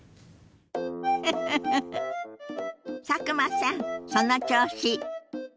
フフフ佐久間さんその調子！